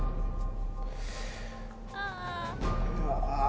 ああ。